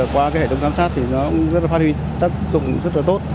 qua hệ thống giám sát nó cũng rất phát huy tác dụng rất tốt